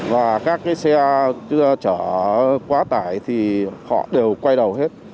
và các cái xe chở quá tải thì họ đều quay đầu hết